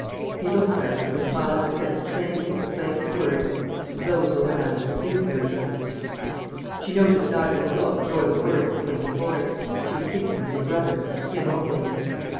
He looked at her with a smile that said as plainly as the plainest words, "And those were when I was with you, Clarissa." She noticed neither the look nor the words that went before it. She was thinking of her brother, and of him only.